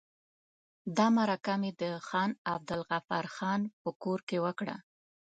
دا مرکه مې د خان عبدالغفار خان په کور کې وکړه.